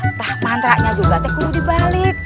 nah mantra nyajul batik kudu dibalik